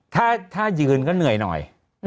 ถ้ายืนก็เหนื่อยหน่อย